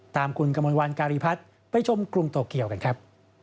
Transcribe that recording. ตามคุณกมลวันการีพัฒน์ไปชมกรุงโตเกียวกันครับ